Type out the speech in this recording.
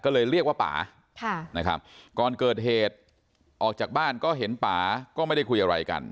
ก็เลยเรียกว่าป่านะครับก่อนเกิดเหตุออกจากบ้านก็เห็นป่าก็ไม่ได้คุยอะไรกัน